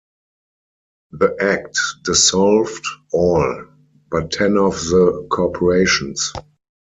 The Act dissolved all but ten of the corporations.